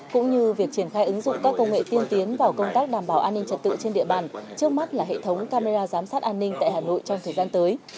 cũng như việc triển khai ứng dụng các công nghệ tiên tiến vào công tác đảm bảo an ninh trật tự trên địa bàn trước mắt là hệ thống camera giám sát an ninh tại hà nội trong thời gian tới